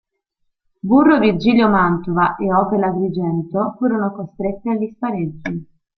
Burro Virgilio Mantova e Opel Agrigento furono costrette agli spareggi.